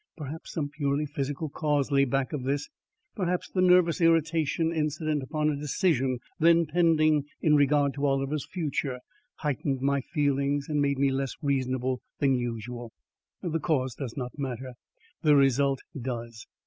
Perhaps some purely physical cause lay back of this; perhaps the nervous irritation incident upon a decision then pending in regard to Oliver's future, heightened my feelings and made me less reasonable than usual. The cause does not matter, the result does.